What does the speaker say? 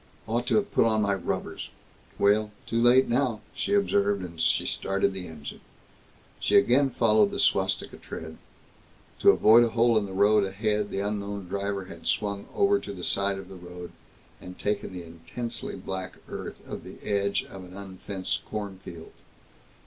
Ought to have put on my rubbers. Well too late now," she observed, as she started the engine. She again followed the swastika tread. To avoid a hole in the road ahead, the unknown driver had swung over to the side of the road, and taken to the intensely black earth of the edge of an unfenced cornfield.